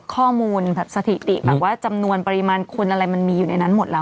ข้อมูลแบบสถิติแบบว่าจำนวนปริมาณคุณอะไรมันมีอยู่ในนั้นหมดแล้ว